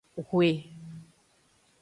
Hwe.